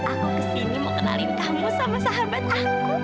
aku ke sini mau kenalin kamu sama sahabat aku